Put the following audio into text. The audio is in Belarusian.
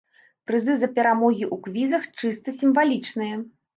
Прызы за перамогі ў квізах чыста сімвалічныя.